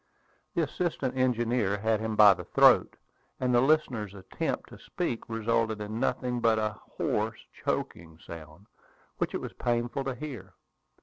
The assistant engineer had him by the throat, and the listener's attempts to speak resulted in nothing but a hoarse, choking sound, which it was painful to hear.